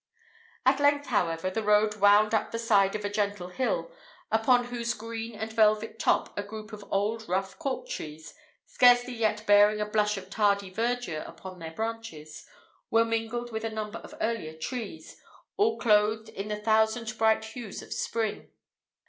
At length, however, the road wound up the side of a gentle hill, upon whose green and velvet top a group of old rough cork trees, scarcely yet bearing a blush of tardy verdure upon their branches, were mingled with a number of earlier trees, all clothed in the thousand bright hues of spring.